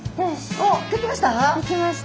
おっ出来ました？